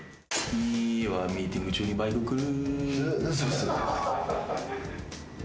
「ミはミーティング中にバイク来る」